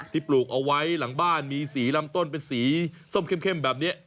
ปลูกเอาไว้หลังบ้านมีสีลำต้นเป็นสีส้มเข้มแบบนี้